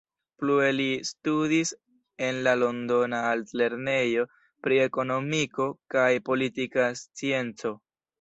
Plue li studis en la Londona Altlernejo pri Ekonomiko kaj Politika Scienco.